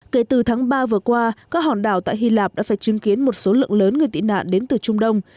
kể từ tháng ba vừa qua các hòn đảo tại hy lạp đã phải chứng kiến một số lượng lớn người tị nạn đến từ trung đông